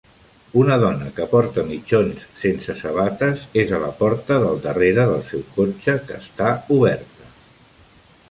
Una dona que porta mitjons sense sabates és a la porta del darrera del seu cotxe que està oberta